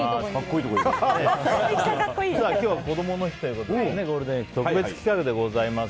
今日はこどもの日ということでゴールデンウィーク特別企画でございます。